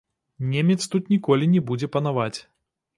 Немец тут ніколі не будзе панаваць.